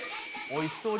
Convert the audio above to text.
おいしそう。